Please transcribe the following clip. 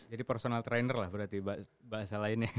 jadi personal trainer lah berarti bahasa lainnya